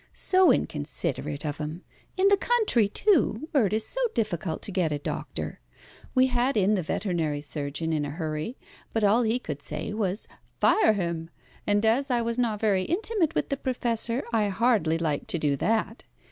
So inconsiderate of him. In the country, too, where it is so difficult to get a doctor. We had in the veterinary surgeon in a hurry, but all he could say was 'Fire him!' and as I was not very intimate with the Professor, I hardly liked to do that.